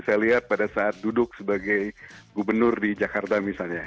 saya lihat pada saat duduk sebagai gubernur di jakarta misalnya